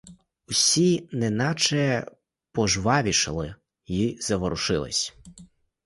Усі неначе пожвавішали й заворушились.